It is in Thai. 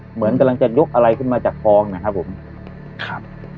เหมือนกำลังจะยกอะไรขึ้นมาจากฟองนะครับผมครับ